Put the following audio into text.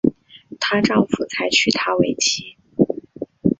她丈夫才娶她为妻